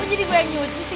lo jadi gue yang nyuci sih